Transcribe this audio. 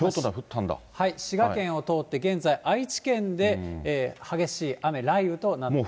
滋賀県を通って、現在、愛知県で激しい雨、雷雨となっています。